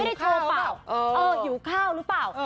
ที่อยู่เข้าหรือเปล่า